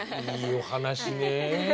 いいお話ね。